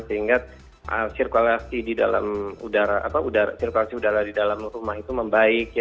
sehingga sirkulasi udara di dalam rumah itu membaik